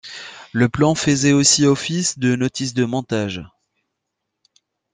Le plan faisait aussi office de notice de montage.